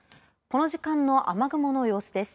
この時間の雨雲の様子です。